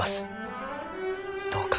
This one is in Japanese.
どうか。